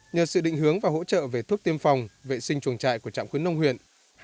nhờ sự định hướng và hỗ trợ về thuốc tiêm phòng vệ sinh chuồng trại của trạm khuyến nông huyện